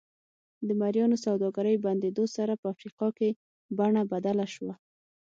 د مریانو سوداګرۍ بندېدو سره په افریقا کې بڼه بدله شوه.